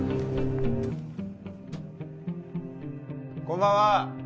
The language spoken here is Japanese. こんばんは。